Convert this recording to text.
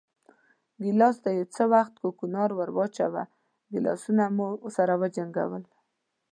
ګیلاس ته یو څه کوګناک ور واچوه، ګیلاسونه مو سره وجنګول.